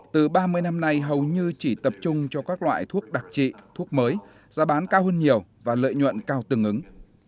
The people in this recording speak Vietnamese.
từ ba mươi năm nay hầu như chỉ tập trung cho các loại thuốc đặc trị thuốc mới giá bán cao hơn nhiều và lợi nhuận cao tương ứng